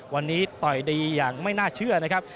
วันนี้ต่อยดีอย่างไม่น่าเชื่อนะครับ